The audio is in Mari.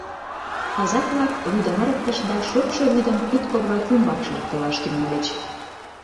Казак-влак вӱдым ырыктышт да шокшо вӱдым кутко-влак ӱмбак шыжыктылаш тӱҥальыч.